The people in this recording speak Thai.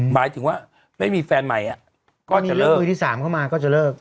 หมายถึงว่าไม่มีแฟนใหม่ก็จะเลิก